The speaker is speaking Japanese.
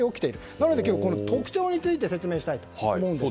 なので今日は、特徴について説明したいと思います。